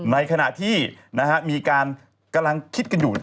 ในขณะที่มีการกำลังคิดกันอยู่